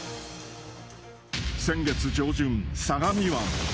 先月上旬、相模湾。